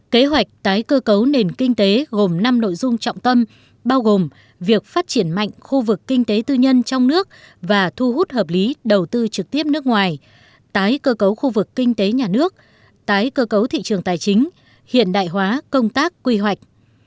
kế hoạch tái cơ cấu nền kinh tế gồm năm nội dung trọng tâm bao gồm việc phát triển mạnh khu vực kinh tế tư nhân trong nước và thu hút hợp lý đầu tư trực tiếp nước ngoài tái cơ cấu khu vực kinh tế nhà nước tái cơ cấu thị trường tài chính hiện đại hóa công tác quy hoạch